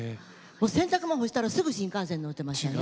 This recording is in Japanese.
洗濯物干したらすぐ新幹線乗ってましたね。